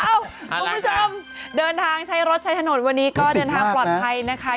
คุณผู้ชมเดินทางใช้รถใช้ถนนวันนี้ก็เดินทางปลอดภัยนะคะ